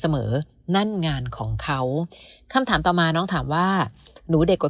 เสมอนั่นงานของเขาคำถามต่อมาน้องถามว่าหนูเด็กกว่า